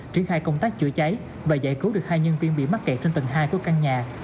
triển khai công tác chữa cháy và giải cứu được hai nhân viên bị mắc kẹt trên tầng hai của căn nhà